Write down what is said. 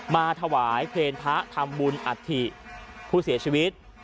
มาถวายเพลงพระทำบุญอัฐิผู้เสียชีวิต